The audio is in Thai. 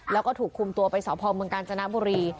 แล้วก็ถูกคุมตัวไปสพเมืองกาญจนบุรี